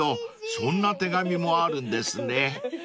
そんな手紙もあるんですね］